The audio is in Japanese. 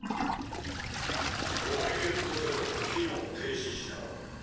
クワイエット・ゼロは機能停止した。